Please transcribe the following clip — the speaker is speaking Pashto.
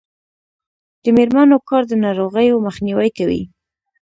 د میرمنو کار د ناروغیو مخنیوی کوي.